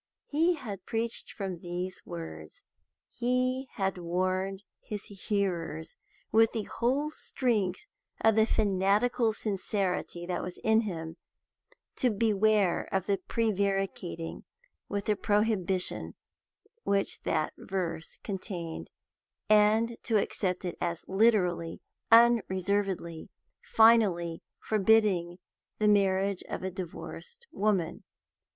_ He had preached from these words, he had warned his hearers, with the whole strength of the fanatical sincerity that was in him, to beware of prevaricating with the prohibition which that verse contained, and to accept it as literally, unreservedly, finally forbidding the marriage of a divorced woman.